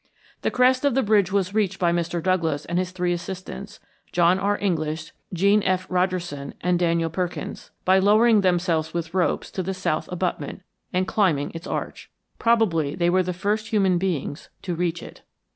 "The crest of the bridge was reached by Mr. Douglass and his three assistants, John R. English, Jean F. Rogerson, and Daniel Perkins, by lowering themselves with ropes to the south abutment, and climbing its arch. Probably they were the first human beings to reach it.